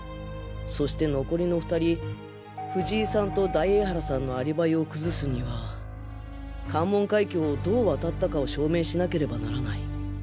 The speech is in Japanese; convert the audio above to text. そして残りの２人藤井さんと大江原さんのアリバイを崩すには関門海峡をどう渡ったかを証明しなければならない